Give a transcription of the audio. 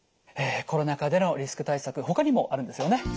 コロナ禍でのリスク対策ほかにもあるんですよね。